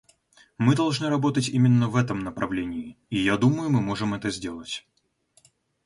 Мы должны работать именно в этом направлении, и, я думаю, мы можем это сделать.